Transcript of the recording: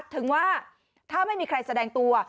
ถึงว่าถ้าไม่มีใครแสดงตัว